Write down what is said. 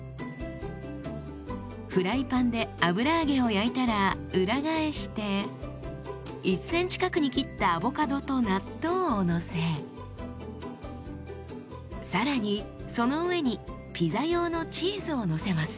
フライパンで油揚げを焼いたら裏返して１ｃｍ角に切ったアボカドと納豆をのせ更にその上にピザ用のチーズをのせます。